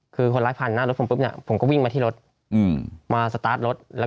คนร้ายพันธุ์น่ารถผมเลี่ยวผมก็วิ่งมาที่รถมาสตาร์ทรถแล้ว